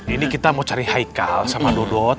ini kita mau cari haikal sama dodot